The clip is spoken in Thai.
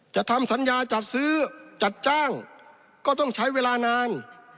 ทำสัญญาจัดซื้อจัดจ้างก็ต้องใช้เวลานาน